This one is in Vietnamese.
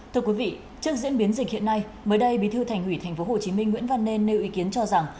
thưa quý vị trước diễn biến dịch hiện nay mới đây bí thư thành ủy tp hcm nguyễn văn nên nêu ý kiến cho rằng